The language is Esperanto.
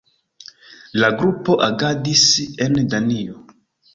La grupo agadis en Danio.